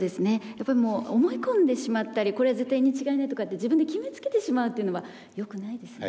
やっぱりもう思い込んでしまったりこれは絶対に違いないとかって自分で決めつけてしまうっていうのはよくないですね。